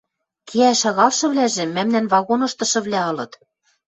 Кеӓш шагалшывлӓжӹ мӓмнӓн вагоныштышывлӓ ылыт.